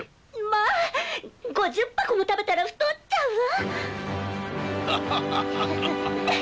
まあ５０箱も食べたら太っちゃうわ！